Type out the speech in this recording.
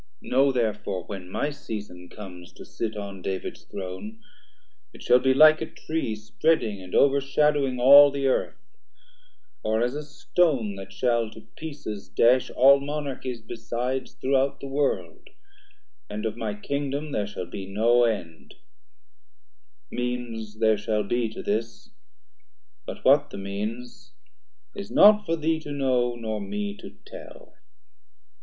Know therefore when my season comes to sit On David's Throne, it shall be like a tree Spreading and over shadowing all the Earth, Or as a stone that shall to pieces dash All Monarchies besides throughout the world, 150 And of my Kingdom there shall be no end: Means there shall be to this, but what the means, Is not for thee to know, nor me to tell.